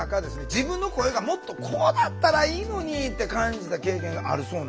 自分の声がもっとこうだったらいいのにって感じた経験があるそうなんですよね。